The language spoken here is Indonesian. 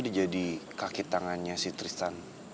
dijadi kaki tangannya si tristan